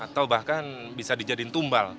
atau bahkan bisa dijadiin tumbal